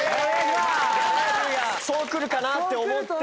そうくるかなって思って。